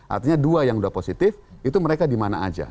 artinya dua yang udah positif itu mereka di mana aja